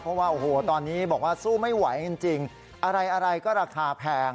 เพราะว่าโอ้โหตอนนี้บอกว่าสู้ไม่ไหวจริงอะไรก็ราคาแพง